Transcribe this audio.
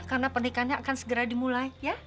karena pernikahannya akan segera dimulai ya